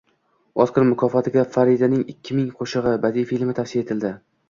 Oskar mukofotiga “Faridaning ikki ming qo‘shig‘i” badiiy filmi tavsiya etildi